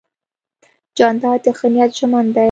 جانداد د ښه نیت ژمن دی.